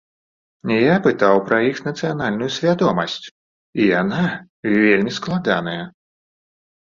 Я пытаў пра іх нацыянальную свядомасць, і яна вельмі складаная.